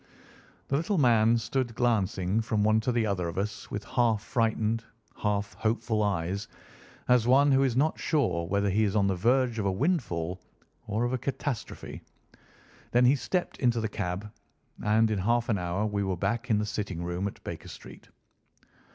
The little man stood glancing from one to the other of us with half frightened, half hopeful eyes, as one who is not sure whether he is on the verge of a windfall or of a catastrophe. Then he stepped into the cab, and in half an hour we were back in the sitting room at Baker Street.